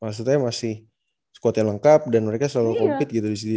maksudnya masih squad yang lengkap dan mereka selalu compete gitu disini